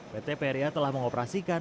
pt peria telah mengoperasikan